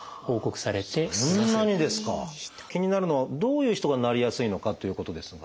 気になるのはどういう人がなりやすいのかということですが。